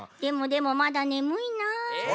でもでもまだねむいな。